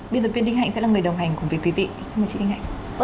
biên tập viên đinh hạnh sẽ là người đồng hành cùng với quý vị